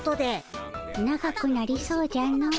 長くなりそうじゃの。